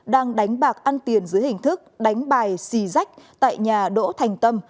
đang đánh bạc ăn tiền dưới hình thức đánh bài xì rách tại nhà đỗ thành tâm